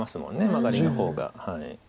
マガリの方が。